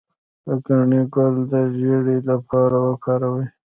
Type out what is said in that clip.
د ګنی ګل د زیړي لپاره وکاروئ